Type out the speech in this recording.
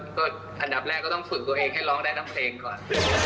ก็อันดับแรกก็ต้องฝึกตัวเองให้ร้องได้ทั้งเพลงก่อน